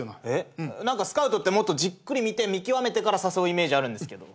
スカウトってもっとじっくり見て見極めてから誘うイメージあるけど。